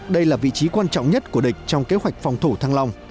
đây là vị trí quan trọng nhất của địch trong kế hoạch phòng thủ thăng long